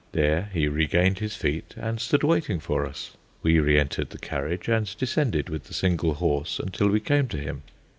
There he regained his feet and stood waiting for us. We re entered the carriage and descended with the single horse until we came to him.